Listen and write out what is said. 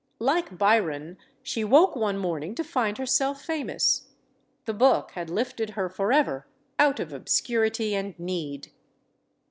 Like Byron, she woke one morning to find herself famous. The book had lifted her forever out of obscurity and need.